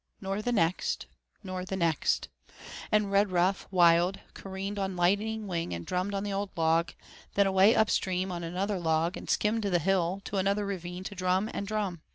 Nor the next, nor the next, and Redruff, wild, careered on lightning wing and drummed on the old log, then away up stream on another log, and skimmed the hill to another ravine to drum and drum.